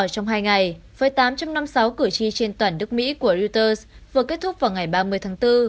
trong hai ngày với tám trăm năm mươi sáu cử tri trên toàn nước mỹ của reuters vừa kết thúc vào ngày ba mươi tháng bốn